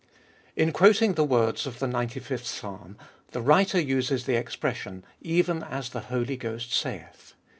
IN quoting the words of the 95th Psalm the writer uses the expression, Even as the Holy Ghost saith.